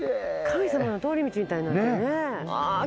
神様の通り道みたいになってるね。